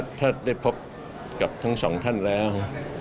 ถ้าได้พบกับทั้งสองท่านแล้ว